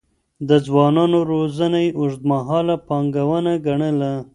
د ځوانانو روزنه يې اوږدمهاله پانګونه ګڼله.